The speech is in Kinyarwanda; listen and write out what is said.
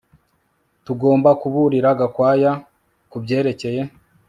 Tugomba kuburira Gakwaya kubyerekeye